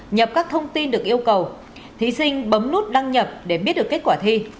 nhập các thông tin được yêu cầu thí sinh bấm nút đăng nhập để biết được kết quả thi